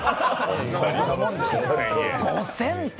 ５０００て。